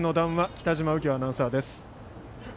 北嶋右京アナウンサーです。